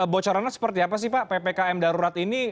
bocorannya seperti apa sih pak ppkm darurat ini